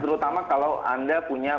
terutama kalau anda punya